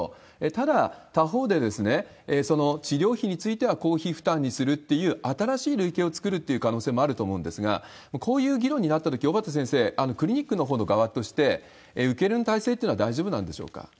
ただ、他方で、その治療費については公費負担にするっていう新しい類型を作るという可能性もあると思うんですが、こういう議論になったとき、小畠先生、クリニックのほうの側として、受け入れの体制というのは大丈夫なんでしょうか？